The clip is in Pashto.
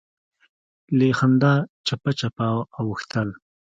له خندا چپه چپه اوښتل.